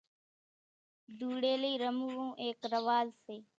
ڌوڙِيلي رموون ايڪ رواز سي